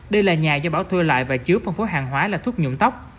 đây là nhà do bão thuê lại và chứa phân phố hàng hóa là thuốc nhuộm tóc